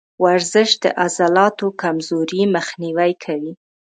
ورزش د عضلاتو کمزوري مخنیوی کوي.